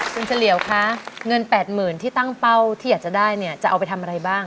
คุณเฉลี่ยวคะเงิน๘๐๐๐ที่ตั้งเป้าที่อยากจะได้เนี่ยจะเอาไปทำอะไรบ้าง